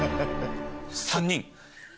３人。